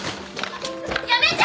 やめて。